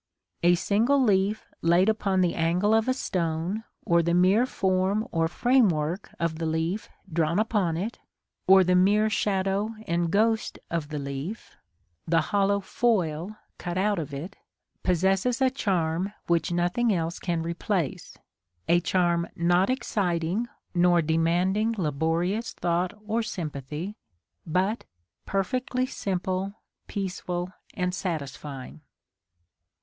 A single leaf laid upon the angle of a stone, or the mere form or frame work of the leaf drawn upon it, or the mere shadow and ghost of the leaf, the hollow "foil" cut out of it, possesses a charm which nothing else can replace; a charm not exciting, nor demanding laborious thought or sympathy, but perfectly simple, peaceful, and satisfying.